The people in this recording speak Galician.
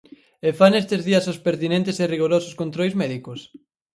E fan estes días os pertinentes e rigorosos controis médicos.